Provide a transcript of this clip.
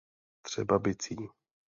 Třeba bicí.